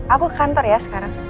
aku ke kantor ya sekarang